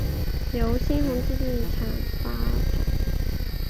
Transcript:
由新鸿基地产发展。